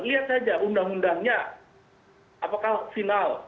lihat saja undang undangnya apakah final